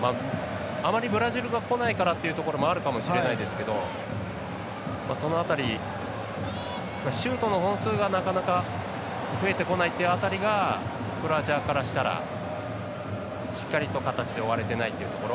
あまりブラジルが来ないからというところもあるかもしれないですけどその辺り、シュートの本数がなかなか増えてこないという辺りがクロアチアからしたらしっかりとした形で終われていないというところ。